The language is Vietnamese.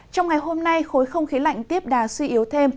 trong ngày hôm nay khối không khí lạnh tiếp đà suy yếu thêm